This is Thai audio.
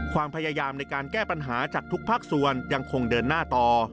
ความพยายามในการแก้ปัญหาจากทุกภาคส่วนยังคงเดินหน้าต่อ